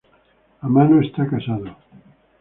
Amano está casado.